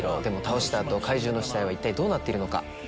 でも倒した後怪獣の死体は一体どうなっているのか？